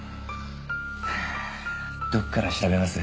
はぁどこから調べます？